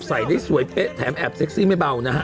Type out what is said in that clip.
ใส่ได้สวยเป๊ะแถมแอบเซ็กซี่ไม่เบานะฮะ